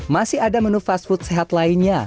masih ada menu fast food sehat lainnya